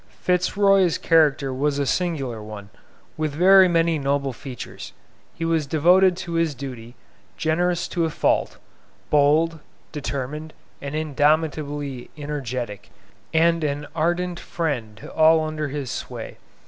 Fitz Roy's character was a singular one, with very many noble features: he was devoted to his duty, generous to a fault, bold, determined, and indomitably energetic, and an ardent friend to all under his sway.